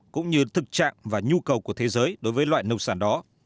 cũng như thực trạng và nhu cầu của thế giới đối với loại nông sản đó